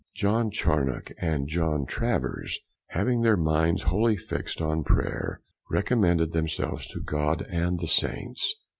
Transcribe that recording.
John Charnock and John Travers having their minds wholly fixt on prayer, recommended themselves to God and the Saints.